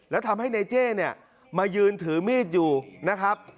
แล้วทำให้ในเจ้เนี่ยมายืนถือมีดอยู่นะครับ